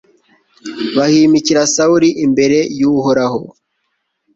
bahimikira sawuli imbere y'uhoraho